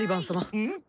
うん？